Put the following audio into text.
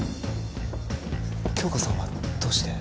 杏花さんはどうして？